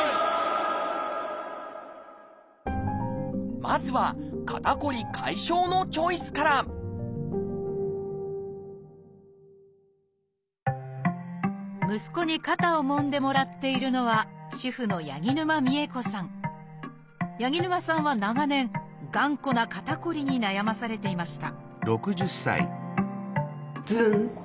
まずは肩こり解消のチョイスから息子に肩をもんでもらっているのは主婦の八木沼さんは長年頑固な肩こりに悩まされていました